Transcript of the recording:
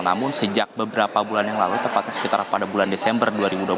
namun sejak beberapa bulan yang lalu tepatnya sekitar pada bulan desember dua ribu dua puluh